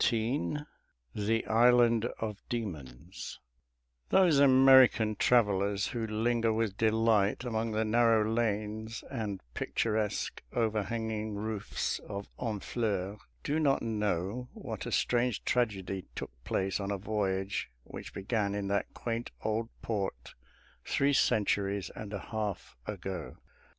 XIX THE ISLAND OF DEMONS Those American travellers who linger with delight among the narrow lanes and picturesque, overhanging roofs of Honfleur, do not know what a strange tragedy took place on a voyage which began in that quaint old port three centuries and a half ago.